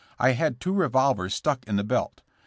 I had two revolvers stuck in the belt.